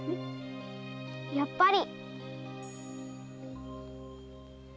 やっぱり。